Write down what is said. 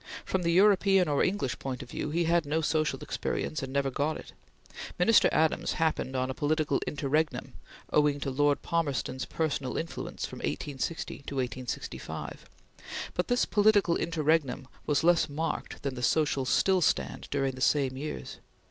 From the European or English point of view, he had no social experience, and never got it. Minister Adams happened on a political interregnum owing to Lord Palmerston's personal influence from 1860 to 1865; but this political interregnum was less marked than the social still stand during the same years.